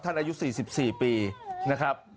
ท่านอายุ๔๔ปีนะครับ